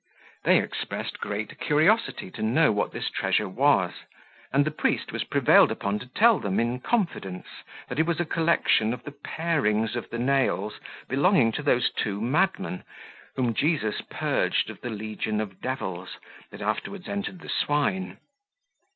They expressed great curiosity to know what this treasure was; and the priest was prevailed upon to tell them in confidence, that it was a collection of the parings of the nails belonging to those two madmen, whom Jesus purged of the legion of devils that afterwards entered the swine.